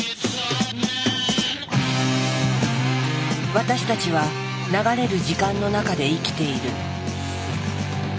私たちは流れる時間の中で生きている。